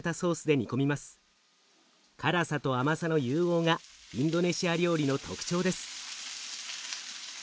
辛さと甘さの融合がインドネシア料理の特徴です。